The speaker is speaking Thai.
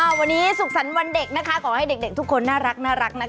วันนี้สุขสรรค์วันเด็กนะคะขอให้เด็กทุกคนน่ารักนะคะ